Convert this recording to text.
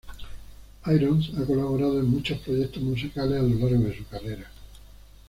Irons ha colaborado en muchos proyectos musicales a lo largo de su carrera.